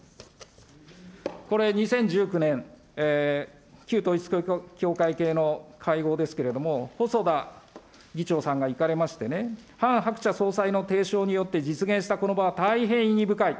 これ２０１９年、旧統一教会系の会合ですけれども、細田議長さんが行かれましてね、ハン・ハクチャ総裁の提唱によって実現したこの場は大変意義深い。